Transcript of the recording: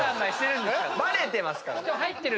バレてますから。